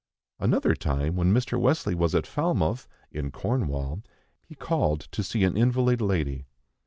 Another time, when Mr. Wesley was at Falmouth in Cornwall, he called to see an invalid lady.